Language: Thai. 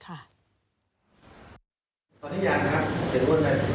ตอนนี้อยากถือว่ามันถูกจัดพูดได้ในฝั่งภาพภิกษา